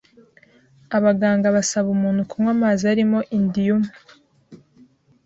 abaganga basaba umuntu kunywa amazi arimo indium